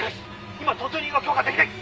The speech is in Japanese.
今突入は許可できない！」